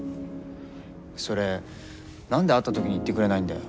それ何で会った時に言ってくれないんだよ。